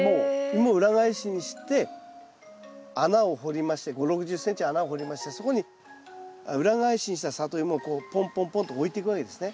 イモ裏返しにして穴を掘りまして５０６０ｃｍ穴を掘りましてそこに裏返しにしたサトイモをこうポンポンポンと置いていくわけですね。